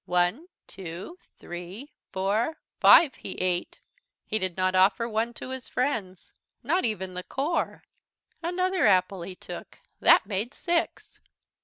One, two, three, four, five, he ate. He did not offer one to his friends, not even the core! Another apple he took. That made six!